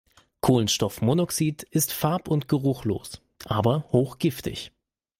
Kohlenstoffmonoxid ist farb- und geruchlos, aber hochgiftig.